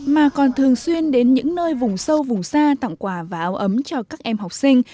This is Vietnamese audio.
mà còn thường xuyên đến những nơi vùng sâu vùng xa tặng quà và áo ấm cho các em học sinh